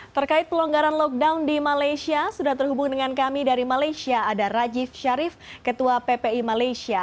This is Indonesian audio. terkait pelonggaran lockdown di malaysia sudah terhubung dengan kami dari malaysia ada rajif sharif ketua ppi malaysia